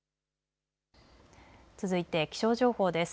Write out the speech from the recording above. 続いて気象情報です。